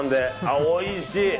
おいしい！